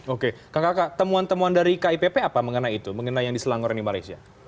oke kakak kakak temuan temuan dari kipp apa mengenai itu mengenai yang di selangor ini malaysia